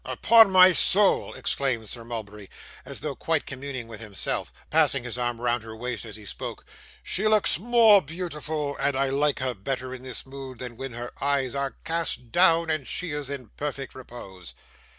'Upon my soul!' exclaimed Sir Mulberry, as though quietly communing with himself; passing his arm round her waist as he spoke, 'she looks more beautiful, and I like her better in this mood, than when her eyes are cast down, and she is in perfect repose!